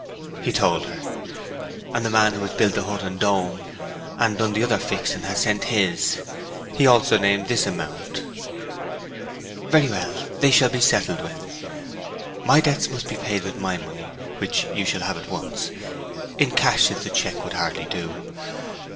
He told her. 'And the man who has built the hut and dome, and done the other fixing, has sent in his.' He named this amount also. 'Very well. They shall be settled with. My debts must be paid with my money, which you shall have at once, in cash, since a cheque would hardly do.